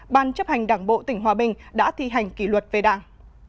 ban chấp hành đảng bộ tỉnh hòa bình đã thi hành kỷ luật về đảng